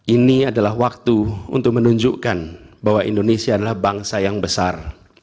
ini adalah waktu untuk menunjukkan bahwa indonesia adalah bangsa yang besar